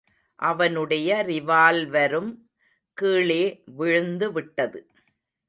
அவனுடைய ரிவால்வரும் கீழே விழுந்து விட்டது.